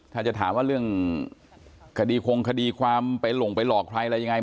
ถ้าจะถามว่าเรื่องคดีคงคดีความไปหลงไปหลอกใครอะไรยังไง